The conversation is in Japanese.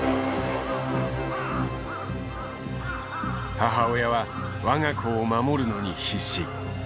母親は我が子を守るのに必死。